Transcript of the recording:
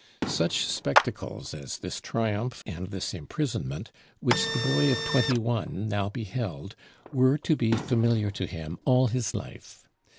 Such spectacles as this triumph and this imprisonment, which the boy of twenty one now beheld, were to be familiar to him all his life.